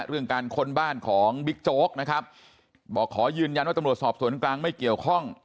เรื่องการค้นบ้านของบิ๊กโจ๊กนะครับบอกขอยืนยันว่าตำรวจสอบสวนกลางไม่เกี่ยวข้อง